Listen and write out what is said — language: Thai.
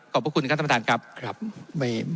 ขอบคุณครับท่านประทาน